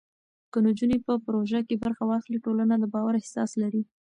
که نجونې په پروژو کې برخه واخلي، ټولنه د باور احساس لري.